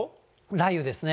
雷雨ですね。